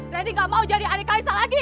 reni gak mau jadi adik kalissa lagi